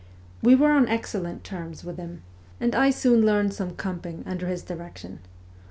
We were on excellent terms with him, and I soon learned some ' comping ' under his direction.